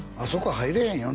入れへんよ